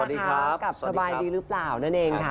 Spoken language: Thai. สวัสดีครับสวัสดีครับกับสบายดีหรือเปล่านั่นเองค่ะ